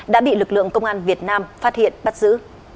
đã bị lực lượng công an việt nam phát hiện bắt giữ